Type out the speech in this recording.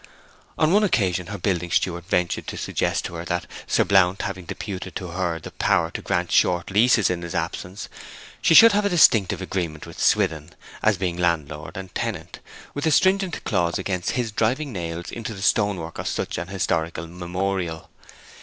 On one occasion her building steward ventured to suggest to her that, Sir Blount having deputed to her the power to grant short leases in his absence, she should have a distinctive agreement with Swithin, as between landlord and tenant, with a stringent clause against his driving nails into the stonework of such an historical memorial.